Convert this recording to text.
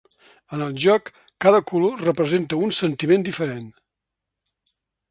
En el joc, cada color representa un sentiment diferent.